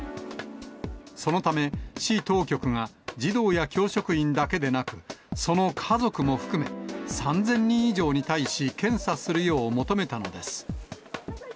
そのため、市当局が、児童や教職員だけでなく、その家族も含め、３０００人以上に対し、検査するよう求めたのです。